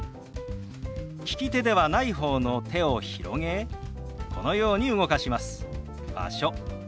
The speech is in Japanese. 利き手ではない方の手を広げこのように動かします。